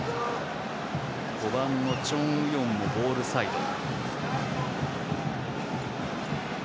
５番のチョン・ウヨンもボールサイド。